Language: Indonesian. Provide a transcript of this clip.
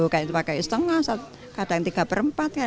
kayaknya setengah kadang tiga per empat